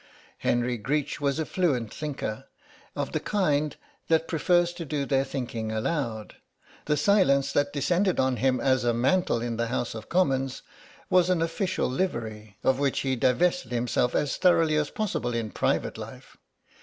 Henry Greech was a fluent thinker, of the kind that prefer to do their thinking aloud; the silence that descended on him as a mantle in the House of Commons was an official livery of which he divested himself as thoroughly as possible in private life.